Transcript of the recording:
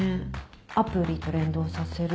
アプリと連動させるとか？